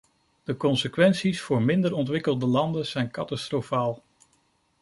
De consequenties voor minder ontwikkelde landen zijn catastrofaal.